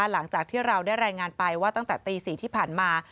หลังจากที่เราได้รายงานไปว่าตั้งแต่ตี๔ที่ผ่านมา